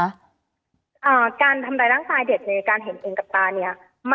อ่าการทำร้ายร่างกายเด็กในการเห็นเองกับตาเนี้ย